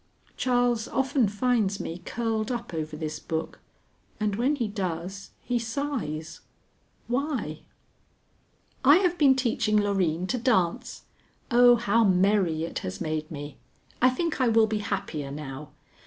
Charles often finds me curled up over this book, and when he does he sighs. Why? I have been teaching Loreen to dance. Oh, how merry it has made me! I think I will be happier now.